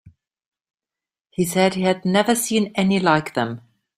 He said he had never seen any like them.